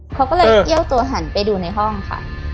เขาก็เลยเอี้ยวตัวหันไปดูในห้องค่ะ